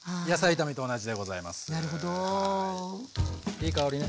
いい香りね。